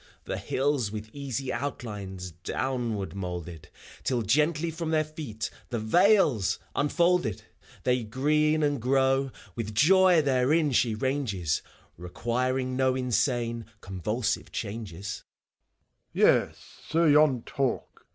The hills with easy outlines downward moulded, Till gently from their feet the vales unfolded ! They green and grow; with joy therein she ranges, Requiring no insane, convulsive changes. 190 FAUST, MEPHISTOPHEU&a. Yes, so yon talk!